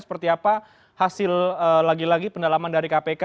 seperti apa hasil lagi lagi pendalaman dari kpk